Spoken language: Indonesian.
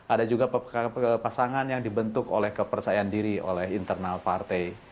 ada juga pasangan yang dibentuk oleh kepercayaan diri oleh internal partai